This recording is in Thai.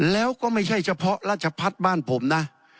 แล้วก็ไม่ใช่เฉพาะราชพัฒน์บ้านผมนะ